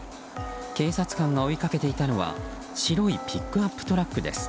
警察官が追いかけていたのは白いピックアップトラックです。